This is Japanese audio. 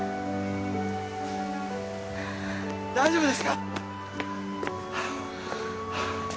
大丈夫ですか？